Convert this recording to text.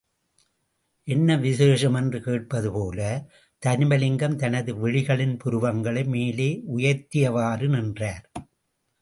என்ன விசேஷம் என்று கேட்பது போல, தருமலிங்கம் தனது விழிகளின் புருவங்களை மேலே உயர்த்தியவாறு நின்றார்.